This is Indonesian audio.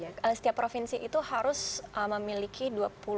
jadi setiap provinsi itu harus memiliki dua puluh pers